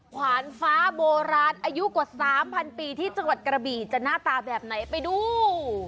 ขวานฟ้าโบราณอายุกว่า๓๐๐ปีที่จังหวัดกระบี่จะหน้าตาแบบไหนไปดู